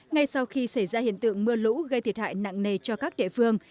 ngay sau khi xảy ra hiện tượng mưa lũ gây thiệt hại nặng nề cho các địa phương